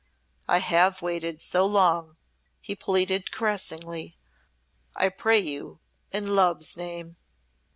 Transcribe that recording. "I have waited so long," he pleaded, caressingly. "I pray you in Love's name."